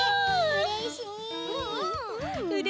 うれしいね！